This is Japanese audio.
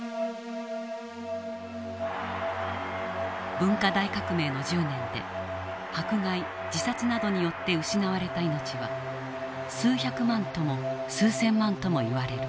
文化大革命の１０年で迫害自殺などによって失われた命は数百万とも数千万ともいわれる。